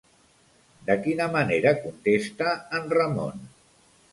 De quina manera contesta en Ramon?